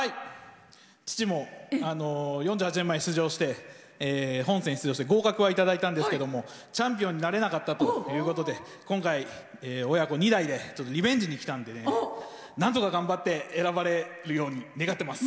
父も４８年前に本選に出場して合格はいただいたんですけどチャンピオンになれなかったということで今回、親子２代でリベンジに来たんでなんとかお名前、どうぞ。